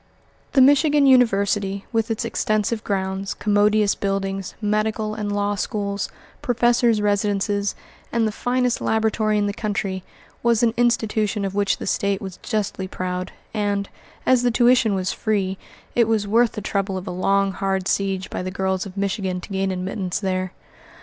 The Michigan University, with its extensive grounds, commodious buildings, medical and law schools, professors' residences, and the finest laboratory in the country, was an institution of which the State was justly proud, and, as the tuition was free, it was worth the trouble of a long, hard siege by the girls of Michigan to gain admittance there.